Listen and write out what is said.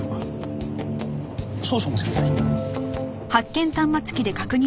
少々お待ちください。